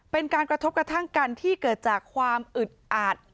เป็นการกระทบกระทั่งกันที่เกิดจากความอึดอัด